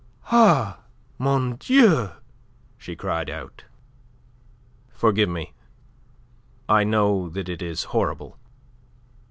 "Ah, mon Dieu!" she cried out. "Forgive me. I know that it is horrible.